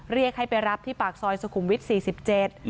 เรียกให้ไปรับที่ปากซอยสกุมวิทย์๔๗